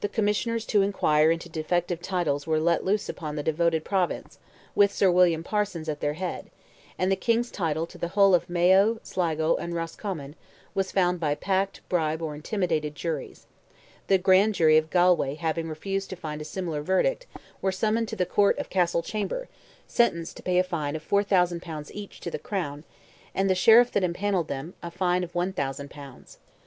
The "Commissioners to Inquire into Defective Titles" were let loose upon the devoted Province, with Sir William Parsons at their head, and the King's title to the whole of Mayo, Sligo and Roscommon, was found by packed, bribed, or intimidated juries; the grand jury of Galway having refused to find a similar verdict, were summoned to the Court of Castle Chamber, sentenced to pay a fine of 4,000 pounds each to the Crown, and the Sheriff that empanelled them, a fine of 1,000 pounds.